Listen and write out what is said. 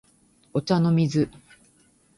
お茶の水